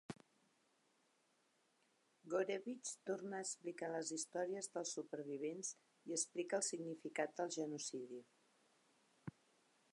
Gourevitch torna a explicar les històries dels supervivents i explica el significat del genocidi.